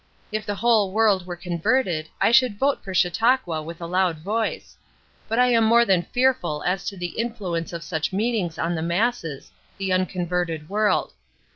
If the whole world were converted I should vote for Chautauqua with a loud voice; but I am more than fearful as to the influence of such meetings on the masses the unconverted world.